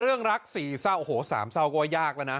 เรื่องรักสี่เศร้าโอ้โหสามเศร้าก็ว่ายากแล้วนะ